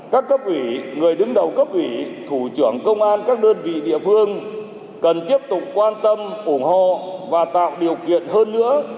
các cấp ủy người đứng đầu cấp ủy thủ trưởng công an các đơn vị địa phương cần tiếp tục quan tâm ủng hộ và tạo điều kiện hơn nữa